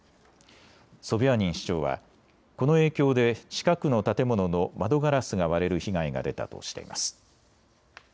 ソビャーニン市長はこの影響で近くの建物の窓ガラスが割れる被害が出たとしています。